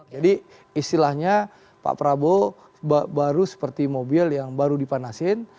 jadi istilahnya pak prabowo baru seperti mobil yang baru dipanasin